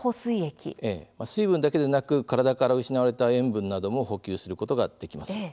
水分だけでなく体から失われた塩分なども補給することができます。